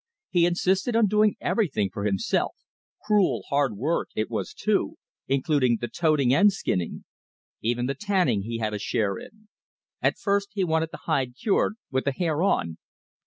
He insisted on doing everything for himself cruel hard work it was too including the toting and skinning. Even the tanning he had a share in. At first he wanted the hide cured, "with the hair on."